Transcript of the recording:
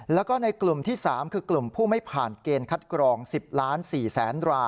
แล้วก็ในกลุ่มที่๓คือกลุ่มผู้ไม่ผ่านเกณฑ์คัดกรอง๑๐ล้าน๔แสนราย